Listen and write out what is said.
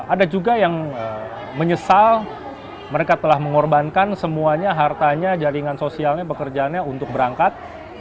ada juga yang menyesal mereka telah mengorbankan semuanya hartanya jaringan sosialnya pekerjaannya untuk berangkat